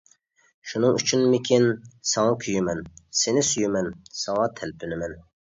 شۇنىڭ ئۈچۈنمىكىن ساڭا كۆيىمەن، سېنى سۆيىمەن، ساڭا تەلپۈنىمەن.